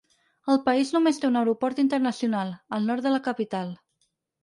El país només té un aeroport internacional, al nord de la capital.